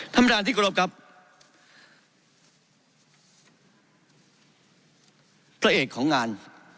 ธรรมดาที่กรบกับประเอกของงาน